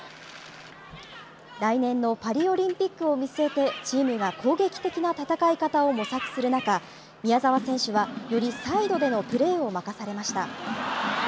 来年のパリオリンピックを見据えて、チームが攻撃的な戦い方を模索する中、宮澤選手はよりサイドでのプレーを任されました。